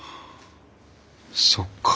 そっか。